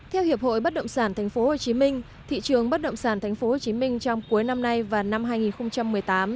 theo hiệp hội bất động sản tp hcm thị trường bất động sản tp hcm trong cuối năm nay và năm hai nghìn một mươi tám